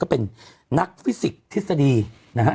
ก็เป็นนักฟิสิกส์ทฤษฎีนะฮะ